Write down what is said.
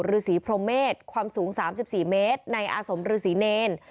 ฤษีโพเมธความสูงสามสิบสี่เมตรในอาสมฤษีเนร